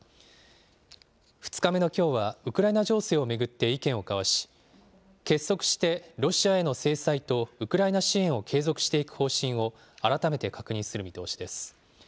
２日目のきょうはウクライナ情勢を巡って意見を交わし、結束してロシアへの制裁とウクライナ支援を継続していく方針を、改めて確認する見通しです。